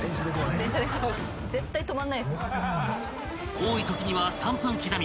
［多いときには３分刻み。